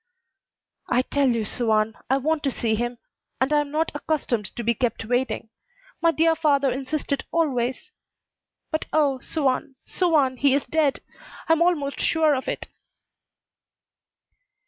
"I tell you, Suan, I want to see him. And I am not accustomed to be kept waiting. My dear father insisted always But oh, Suan, Suan, he is dead I am almost sure of it."